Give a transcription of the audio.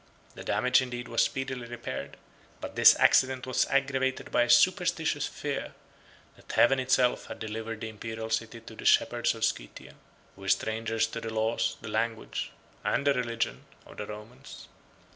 The damage indeed was speedily repaired; but this accident was aggravated by a superstitious fear, that Heaven itself had delivered the Imperial city to the shepherds of Scythia, who were strangers to the laws, the language, and the religion, of the Romans.